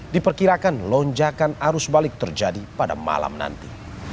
diperkirakan lonjakan arus balik terjadi pada malam nanti